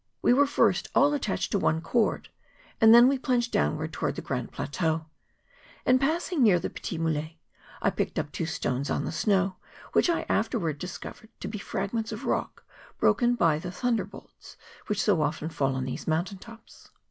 We were, first, all attached to one cord, and tlien we plunged downwards towards the Grand Plateau. In passing near the Petits Mulets, I picked up two stones on the snow, which I afterwards discovered to be fragments of rock broken off by the thunderbolts which so often fall on these mountain tops.